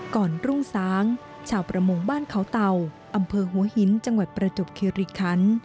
ก่อนรุ่งค์ส้างชาวประมงน้ำเขาเต่าอำเภอหัวหินจังหวัยประจบเครือคัน